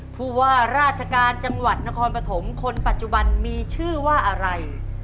ผู้ว่าราชการจังหวัดนครปฐมคนปัจจุบันมีชื่อว่าอะไร